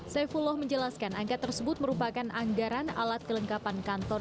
saifuloh menjelaskan anggar tersebut merupakan anggaran alat kelengkapan kantor